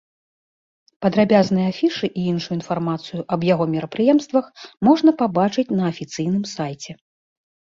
Падрабязныя афішы і іншую інфармацыю аб яго мерапрыемствах можна пабачыць на афіцыйным сайце.